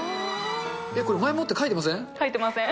これ、前もって描いてません？